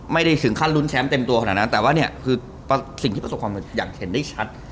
ไม่ได้ถึงขั้นรุ้นแชมป์เต็มตัวขนาดนั้นแต่ว่าสิ่งที่ประสบความสำเร็จอย่างเห็นได้ชัด